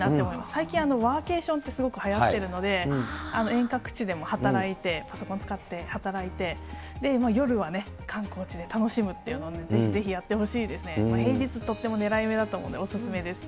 最近、ワーケーションってすごくはやってるので、遠隔地でも働いて、パソコン使って働いて、夜はね、観光地で楽しむっていうのをぜひぜひやってほしいですね平日、とっても狙い目だと思うので、お勧めです。